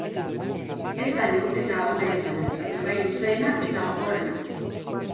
Ez da neurketa ona izan, baina bai luzeena eta gogorrena.